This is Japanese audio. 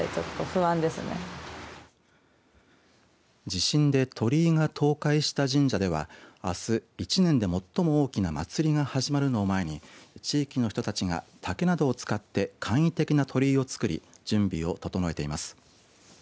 地震で鳥居が倒壊した神社ではあす、１年で最も大きな祭りが始まるのを前に地域の人たちが竹などを使って簡易的な鳥居をつくり準備を整えています。